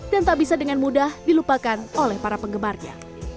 dan tak bisa dengan mudah dilupakan oleh para penggemarnya